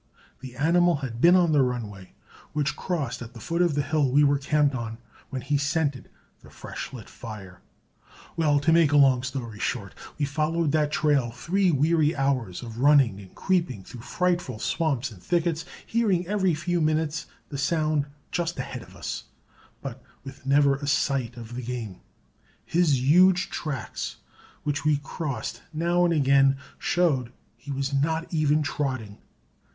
The animal had been on the runway which crossed at the foot of the hill we were camped on when he scented the fresh lit fire. Well, to make a long story short, we followed that trail three weary hours of running and creeping through frightful swamps and thickets, hearing every few minutes the sound just ahead of us, but with never a sight of the game. His huge tracks, which we crossed now and again, showed he was not even trotting.